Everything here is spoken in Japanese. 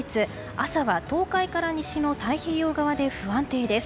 朝は東海から西の太平洋側で不安定です。